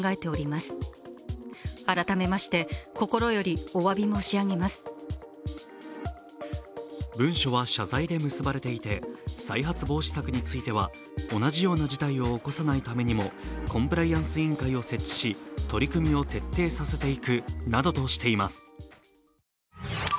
最後に、自身の経営責任については文書は謝罪で結ばれていて再発防止策については、同じような事態を起こさないためにもコンプライアンス委員会を設置し、取り組みを徹底させていくなどとしています。